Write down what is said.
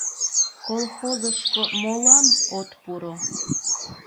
Колхозышко молан от пуро?